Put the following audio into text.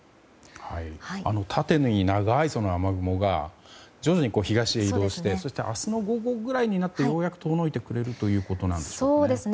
縦に長い雨雲が徐々に東へ移動して明日の午後ぐらいになってようやく遠のいてくれるということでしょうか。